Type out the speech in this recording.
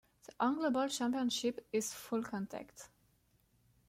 The Angleball Championship is full contact.